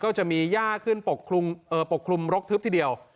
ก็จะมีย่าขึ้นปกคลุมเอ่อปกคลุมรกทึบทีเดียว